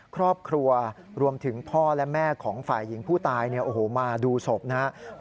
ครอบครัวรวมถึงพ่อและแม่ของฝ่ายหญิงผู้ตายมาดูศพนะครับ